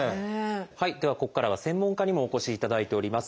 はいではここからは専門家にもお越しいただいております。